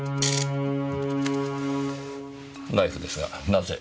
ナイフですがなぜ？